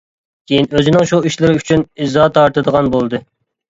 كېيىن ئۆزىنىڭ شۇ ئىشلىرى ئۈچۈن ئىزا تارتىدىغان بولدى.